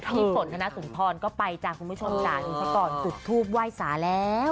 พี่ฝนธนสุนทรก็ไปจ้ะคุณผู้ชมจ้ะดูซะก่อนจุดทูปไหว้สาแล้ว